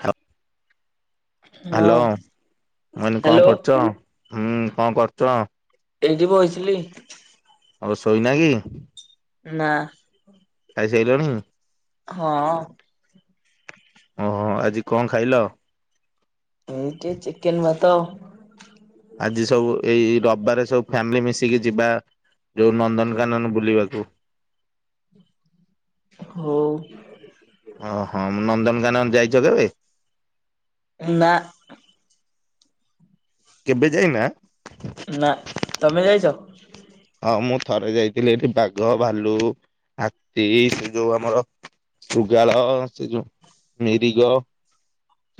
ହା ହଁ ହ୍ୟାଲୋ ମୁଁ କହିନି କଣ ହ୍ୟାଲୋ। କରୁଚ? ହୁଁ କଣ କରୁଚ? ଏଇଠି ବଇଥିଲି। ଆଉ ଶୋଇନା କି? ନା। ଖାଇସାଇଲଣି? ହଁ। ଓହୋ ଆଜି କ ଖାଇଲ? ଏ ଟିକେ ଚିକେନ୍ ଭାତ। ଆଜି ସବୁ ଏଇ-ଏଇ ରବବାରେ ସବୁ ଫ୍ୟାମିଲି ମିଶିକି ଯିବା ଯୋଉ ନନ୍ଦନକାନନ ବୁଲିବାକୁ। ହୋଉ। ଓହୋ ନନ୍ଦନକାନନ ଯାଇଚ କେବେ? ଉ ନା। କେବେ ଯାଇନା? ନା ତମେ ଯାଇଚ? ହଁ ମୁଁ ଥରେ ଯାଇଥିଲି ଏଠି ବାଘ, ଭାଲୁ, ହାତୀ ସେ ଯୋଉ ଆମର ଶୁଗାଳ ସେ ଯୋଉ ମିରିଗ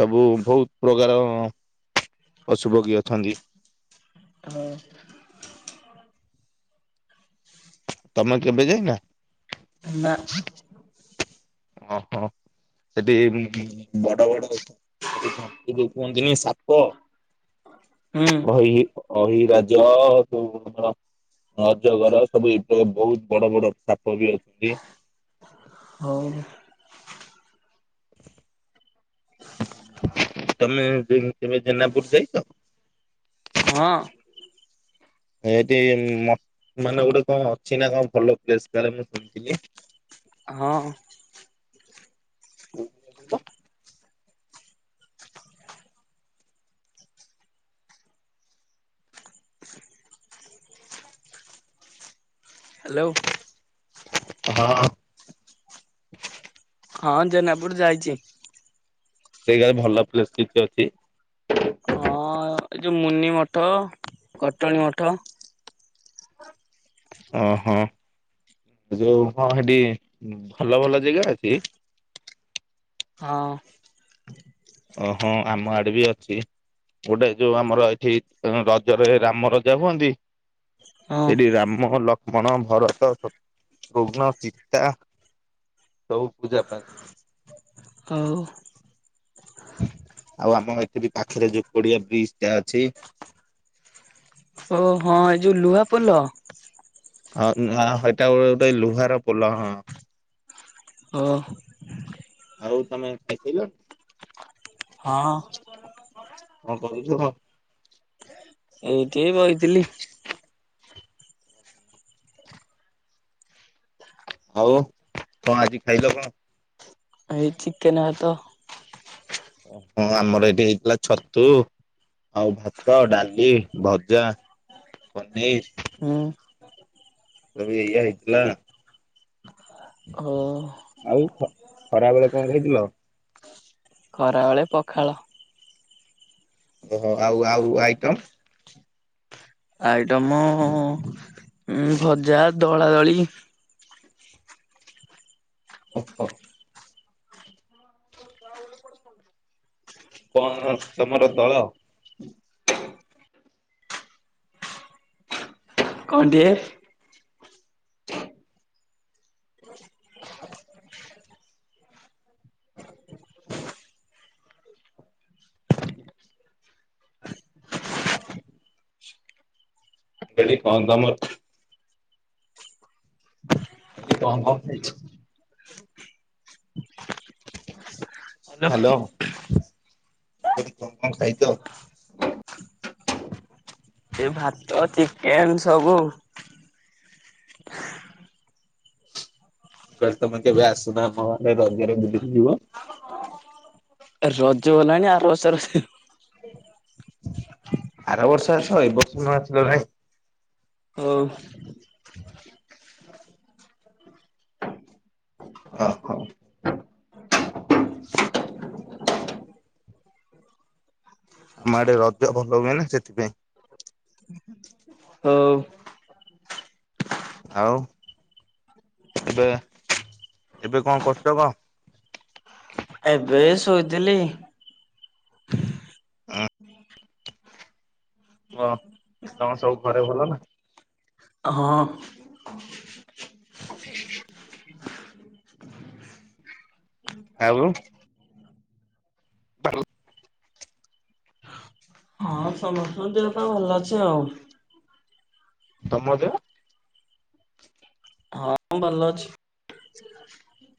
ସବୁ ବହୁତ ପ୍ରକାର ପଶୁପକ୍ଷୀ ଅଛନ୍ତି। ହଁ। ତମେ କେବେ ଯାଇନା? ନା ଓହୋ ସେଠି ଉଁ ବଡ଼-ବଡ଼ ସବୁ [unintelligible] ଦିନେ ସାପ ହୁଁ ଅହି ଅହିରାଜ [unintelligible] ଅଜଗର ସବୁ ଏ ବହୁତ ବଡ଼-ବଡ଼ ସାପ ବି ଅଛନ୍ତି। ହଉ। ତମେ ଦିନ୍ କେବେ ଜେନାପୁର ଯାଇଚ? ହଁ। ଏଠି ମ ମାନେ ଗୋଟେ କଣ ଅଛି ନା କଣ ଭଲ ପ୍ଲେସ କାଳେ ମୁଁ ଶୁଣିଥିଲି? ହଁ। [unintelligible] [inaudible] ହ୍ୟାଲୋ। ହଁ। ହଁ ଜେନାପୁର ଯାଇଛି। ଏ ଗାଇ ଭଲ ପ୍ଲେସ ଟିଚ ଅଛି? ହଁ ଏ ଯୋଉ ମୁନି ମଠ କଟଣୀ ମଠ। ଅଁ ହଁ। ଯୋଉ ହଁ ସେଠି ଭଲ ଭଲ ଜେଗା ଅଛି? ହଁ। ଓହୋ ଆମ ଆଡେ ବି ଅଛି। ଗୋଟେ ଯୋଉ ଆମର ଏଠି ଉଁ ରଜରେ ରାମ ରଜା ହୁଅନ୍ତି ହଁ। ଏଠି ରାମ ଲ କ୍ଷ୍ମଣ ଭରତ ସତୃଘ୍ନ ସିତା ସବୁ ପୂଜା ପାଆନ୍ତି। ହଉ। ଆଉ ଆମ ଏଥିବି ପାଖରେ ଯୋଉ ପଡିଆ ବ୍ରିଜ ଟା ଅଛି ଓ ହଁ ଏଇ ଯୋଉ ଲୁହା ପୋଲ? ହଁ ନା ହେଟା ଗୋଟେ ଲୁହାର ପୋଲ ହଁ। ହଁ। ଆଉ ତମେ ଖାଇ ସାରିଲଣି? ହଁ। କଣ କରୁଛୁ କଣ? ଏଇଠି ବଇଥିଲି। ଆଉ କଣ ଆଜି ଖାଇଲ କଣ? ଏଇ ଚିକେନ ଭାତ। ଓ ହଁ ଆମର ଏଇଠି ହେଇଥିଲା ଛତୁ। ଆଉ ଭାତ ଡାଲି ଭଜା ପନିର। ଉଁ। ସବୁ ଏୟା ହେଇଥିଲା। ଓ ଆଉ ଖ ଖରା ବେଳେ କଣ ଖାଇଥିଲ? ଖରାବେଳେ ପଖାଳ। ଓହୋ ଆଉ ଆଉ ଆଇଟମ? ଆଇଟମ ଉଁ ଭଜା ଦଳାଦଳି। ଓହୋ। କଣ ତମର ଦଳ? କହୁନୁ ଟିକେ? ମୁଁ କହିଲି କଣ ତମର ଆଜି କଣ କଣ ଖାଇଛୁ? ହାଲୋ ମୁଁ କହିଲି କଣ କଣ ଖାଇଛ? ଏ ଭାତ ଚିକେନ ସବୁ। ମୁଁ କହିଲି ତମେ କେବେ ଆସୁନ ଆମଆଡେ ରଜରେ ବୁଲିକି ଯିବ। ରଜ ଗଲାଣି ଆର ବର୍ଷରେ ହୁଁ। ଆର ବର୍ଷ ଆସ ଏ ବର୍ଷ ନଆସିଲ ନାହିଁ। ହଉ। [inaudible] ଅହ। ଆମଆଡେ ରଜ ଭଲ ହୁଏନା ସେଥିପାଇଁ। ହଉ। ଆଉ ଏବେ-ଏବେ କଣ କରୁଚ କଣ? ଏବେ ଶୋଇଥିଲି। ହଁ ତମ ସବୁ ଘରେ ଭଲ? ହଁ। [unintelligible] ଆଉ [inaudible] ହଁ ସମସ୍ତଙ୍କ ଦେହପା ଭଲ ଅଛି ଆଉ। ତମ ଦେହ? ହଁଁ ଭଲ ଅଛି। [unintelligible]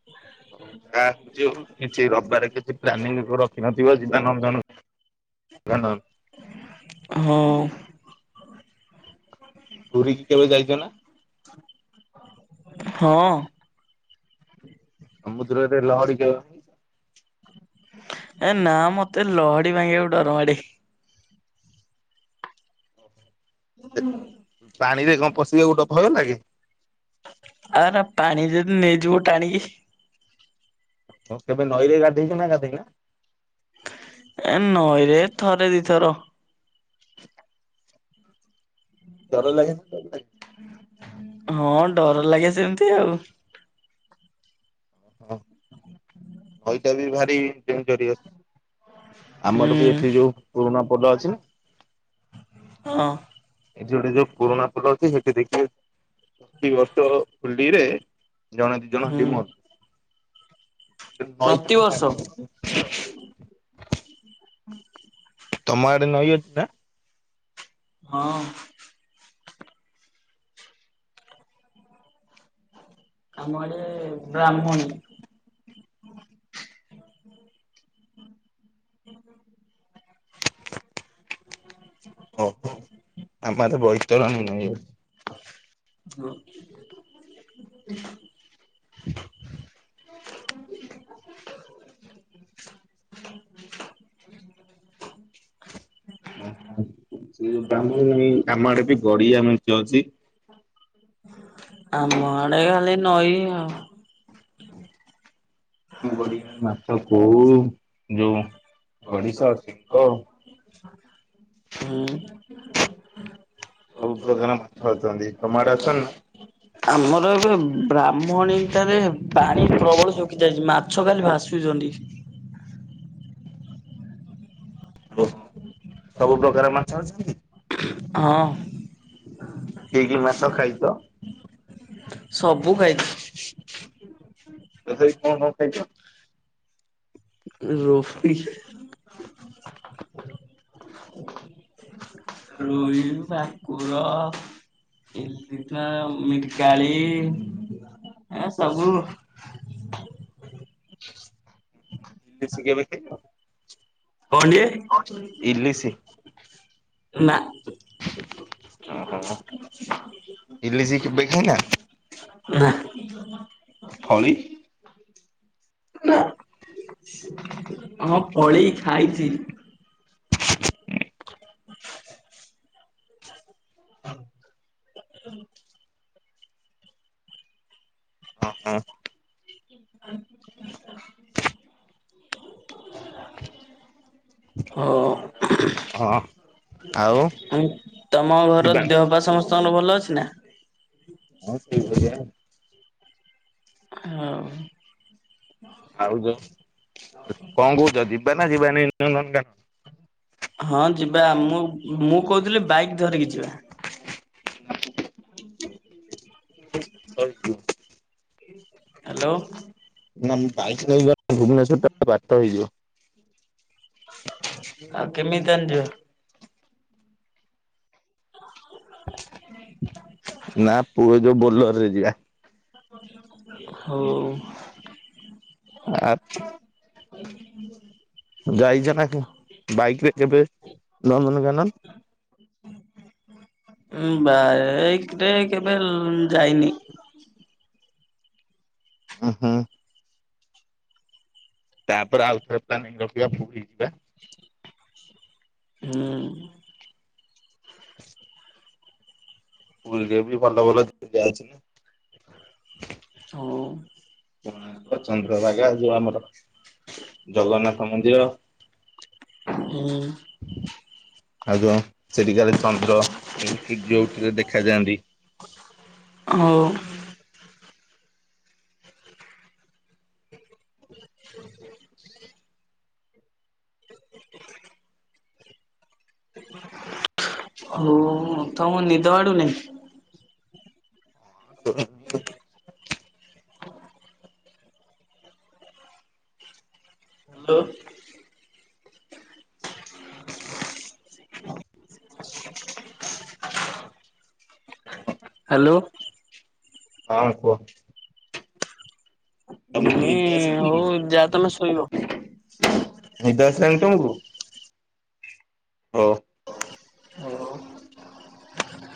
[unintelligible] ଆ ଯୋଉ କିଛି ରବିବାରେ କିଛି ପ୍ଲାନିଂ ରଖିିନଥିବ ଯିବା ନନ୍ଦନ କାନନ୍। ହଁ। ପୁରୀ କି କେବେ ଯାଇଚ ନା? ହଁ। ସମୁଦ୍ରରେ ଲହଡି କେବେ ଏ ନାଁ ମତେ ଲହଡି ଭାଙ୍ଗିବାକୁ ଡରମାଡେ। ପାଣିରେ କଣ ପଶିବାକୁ ଡ ଭୟଲାଗେ? ଆଉ ଏରା ପାଣି ଯଦି ନେଇଯିବ ଟାଣିକି। [unintelligible] କେବେ ନଈରେ ଗାଧେଇଚ ନା ଗାଧେଇନା? ଏ ନଈରେ ଥରେ ଦିଥର। ଡର ଲାଗେନି? ହଁ ଡରଲାଗେ ସେମ୍ତି ଆଉ। ହଁ ନଈଟା ବି ଭାରି ଡେଞ୍ଜରିଅସ୍। ଆମର ହୁଁ ବି ଏଠି ଯୋଉ ପୁରୁଣା ପୋଲ ଅଛିନା ହଁ। ଏଠି ଗୋଟେ ଯୋଉ ପୁରୁଣା ପୋଲ ଅଛି ସେଠି ଦେଖିବେ, ପ୍ରତି ବର୍ଷ ହୋଲିରେ ଜଣେ ଦି ଜଣ ହେଠି ହୁଁ [inaudible] ପ୍ରତିବର୍ଷ ତମ ଆଡେ ନଈ ଅଛି ନା? ହଁ। ଆମ ଆଡେ ବ୍ରାହ୍ମଣୀ। ଆମ ଆଡେ ବୈତରଣୀ ଅଛି। [inaudible] [inaudible] ସେ ଯୋଉ ବ୍ରାହ୍ମଣୀ ନଈ, ଆମ ଆଡେ ବି ଗଡିଆ ମେଞ୍ଚେ ଅଛି। ଆମ ଆଡେ ଖାଲି ନଈ ଆଉ। ଗଡିଆ ମାଛ କୋଉ ଯୋଉ ଗଡିଶ ଚେଙ୍ଗ। ହୁଁ। ସବୁ ପ୍ରକାର ମାଛ ଅଛନ୍ତି, ତମ ଆଡେ ଅଛନ୍ତି ନା? ଆମର ଏବେ ବ୍ରାହ୍ମଣୀଟାରେ ପାଣି ପ୍ରବଳ ଶୁ କି ଯାଇଛି ମାଛ ଖାଲି ଭାସୁଚନ୍ତି। [unintelligible] ସବୁ ପ୍ରକାର ମାଛ ଅଛନ୍ତି? ହଁ କି କି ମାଛ ଖାଇଚ? ସବୁ ଖାଇଚି। ତଥାପି କଣ କଣ ଖାଇଚ? ରୋହୀ। ରୋହିି, ଭାକୁର। ଇଲି [unintelligible] ମିରିକାଳି ଏ ସବୁ। ଦେଶି କେବେ ଖାଇନ? କଣ ଟିଏ ଇଲିଶି ନା। ଓହୋ। ଇଲିସି କେବେ ଖାଇନା? ନା। ଫଳି ହଁ ଫଳି ଖାଇଚି। ଅଁ ଉଁ। [inaudible] ହ। ଆଉ ତମ ଘର ଦେହ ହଁ ପା ଆଉ ସମସ୍ତଙ୍କର ଭଲ ଯିବା ଅଛି ନା? ହଁ ସେଇଭଳିଆ। ହଉ। ଆଉ ଯ କଣ କହୁଚ ଯିବା ନା ଯିବାନି ନନ୍ଦନ କାନ ହଁ ଯିବା ଆମ ମୁଁ କହୁଥିଲି ବାଇକ୍ ଧରିକି ଯିବା। [unintelligible] ହାଲୋ। ନା ମୁଁ ବାଇକ ନେଇ ଗଲେ ଭୁବନେଶ୍ଵର ଟା ବାଟ ହେଇଯିବ। ଆଉ କେମିତି ତାନେ ଯିବା? [inaudible] ନା ପୁଅ ଯୋଉ ବୋଲର ରେ ଯିବା। ହଉ। ଆ ଯାଇଛ ନା କେ ବାଇକ ରେ କେବେ ନନ୍ଦନକାନନ? ଉଁ ବାଇକରେ କେବେ ଲ ଉଁ ଯାଇନି। ଉଁ ହୁଁ। ତାପରେ ଆଉଥରେ ପ୍ଲାନିଙ୍ଗ ରଖିବା ପୁରୀ ଯିବା। [inaudible] ହୁଁ। ପୁରୀ ରେ ବି ଭଲ ଭଲ ଜାଗା ଅଛି ନା। ହଉ। କୋଣାର୍କ ଚନ୍ଦ୍ରଭାଗା ଯୋଉ ଆମର। ଜଗନ୍ନାଥ ମନ୍ଦିର। ହୁଁ। ଆଉ ଜ ସେଠି କାଳେ ଚନ୍ଦ୍ର କି ସୂର୍ଯ୍ୟ ଉଠିଲେ ଦେଖାଯାଆନ୍ତି। ହଉ। [unintelligible] ହଉ ତମକୁ ନିଦ ମାଡୁନି। [unintelligible] ହ୍ୟାଲୋ। ହ୍ୟାଲୋ। ହଁ କୁହ। ମୁଁ ତମକୁ ନି ନିଦ ଆସିଲାନି ହଉ କି? ଯାଅ ତମେ ଶୋଇବ। ନିଦ ଆସିଲାଣି ତମକୁ, ହୋ।